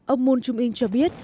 ông moon jong in cho biết